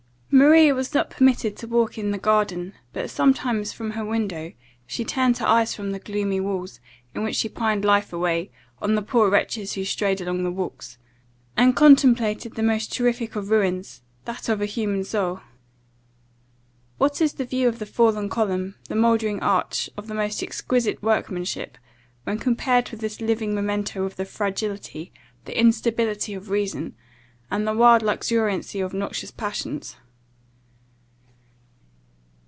Maria was not permitted to walk in the garden; but sometimes, from her window, she turned her eyes from the gloomy walls, in which she pined life away, on the poor wretches who strayed along the walks, and contemplated the most terrific of ruins that of a human soul. What is the view of the fallen column, the mouldering arch, of the most exquisite workmanship, when compared with this living memento of the fragility, the instability, of reason, and the wild luxuriancy of noxious passions?